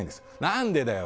何でだよ！